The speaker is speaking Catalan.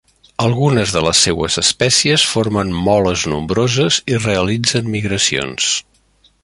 Algunes de les seues espècies formen moles nombroses i realitzen migracions.